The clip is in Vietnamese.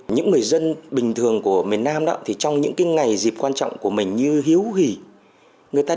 những người dân bình thường của miền nam trong những ngày dịp quan trọng của mình như hiếu hỉ